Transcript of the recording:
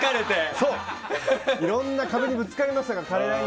いろんな壁にぶつかりましたから。